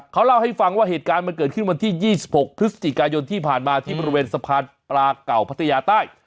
เขาเล่าให้ฟังว่าเหตุการณ์มันเกิดขึ้นวันที่๒๖พฤศจิกายนที่ผ่านมาที่บริเวณสะพานปลาเก่าพัทยาใต้